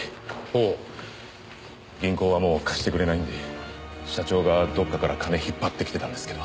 銀行はもう貸してくれないんで社長がどっかから金引っ張ってきてたんですけど。